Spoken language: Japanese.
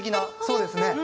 そうですね。